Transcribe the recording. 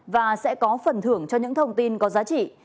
và sẽ có phần thưởng cho những thông tin có giá trị